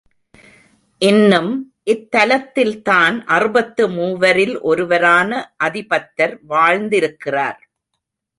இன்னும் இத்தலத்தில்தான் அறுபத்து மூவரில் ஒருவரான அதிபத்தர் வாழ்ந்திருக்கிறார்.